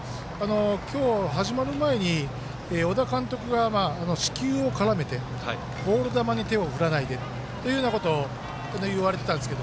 今日、始まる前に小田監督が四球を絡めてボール球を振らないでといわれていたんですが。